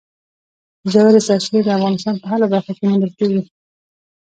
ژورې سرچینې د افغانستان په هره برخه کې موندل کېږي.